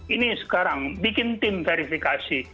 ini sekarang bikin tim verifikasi